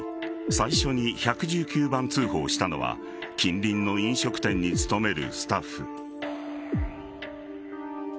最初に１１９番通報したのは近隣の飲食店に勤めるスタッフ。